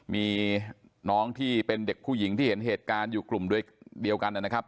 มีน้องที่เป็นเด็กผู้หญิงที่เห็นเหตุการณ์อยู่กลุ่มด้วยเดียวกันนะครับ